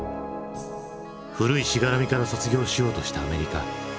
古いしがらみから卒業しようとしたアメリカ。